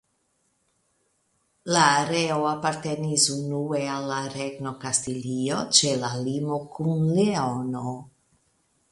La areo apartenis unue al la Regno Kastilio ĉe la limo kun Leono.